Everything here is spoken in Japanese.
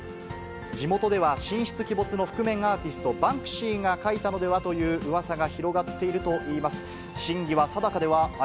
地元では神出鬼没の覆面アーティスト、バンクシーが描いたのでは？といううわさが広がっているといいます。